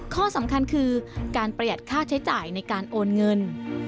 ข้อสำคัญคือการประหยัดค่าใช้จ่ายในการโอนเงิน